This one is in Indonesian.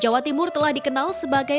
jawa timur telah dikenal sebagai